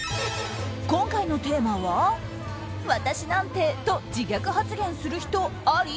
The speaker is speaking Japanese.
今回のテーマは「私なんて」と自虐発言する人あり？